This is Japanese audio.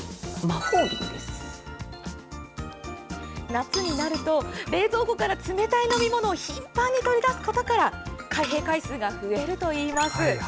夏になると、冷蔵庫から冷たい飲み物を頻繁に取り出すことから開閉回数が増えるといいます。